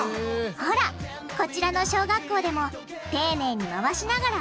ほらこちらの小学校でも丁寧に回しながら揚げているでしょう